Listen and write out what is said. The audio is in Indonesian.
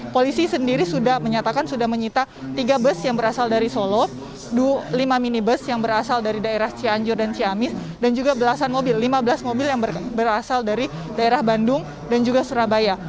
polisi sendiri sudah menyatakan sudah menyita tiga bus yang berasal dari solo lima minibus yang berasal dari daerah cianjur dan ciamis dan juga belasan mobil lima belas mobil yang berasal dari daerah bandung dan juga surabaya